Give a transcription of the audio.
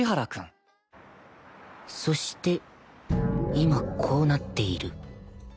そして今こうなっている